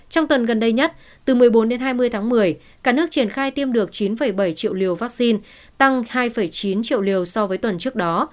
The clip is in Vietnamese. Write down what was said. trong tuần gần đây nhất từ một mươi bốn đến hai mươi tháng một mươi cả nước triển khai tiêm được chín bảy triệu liều vaccine tăng hai chín triệu liều so với tuần trước đó